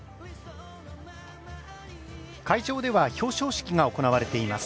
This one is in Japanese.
会場では表彰式が行われています。